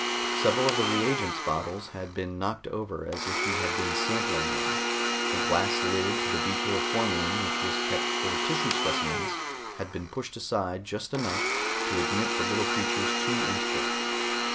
Several of the reagents bottles had been knocked over as if he had been sampling them. The glass lid to the beaker of formalin which was kept for tissue specimens had been pushed aside just enough to admit the little creature's two inch girth.